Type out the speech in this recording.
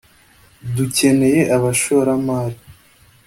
dukeneye abashoramari